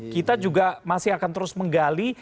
kita juga masih akan terus menggali